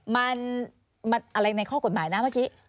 มันอะไรในข้อกฎหมายนะเมื่อกี้